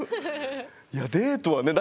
いやデートはね